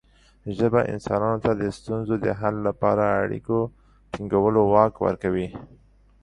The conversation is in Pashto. ژبه انسانانو ته د ستونزو د حل لپاره د اړیکو ټینګولو واک ورکوي.